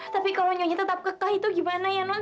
tapi kalau nyonya tetap kekah itu gimana ya non